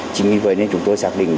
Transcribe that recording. chính vì vậy nên chúng tôi xác định